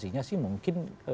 situasinya sih mungkin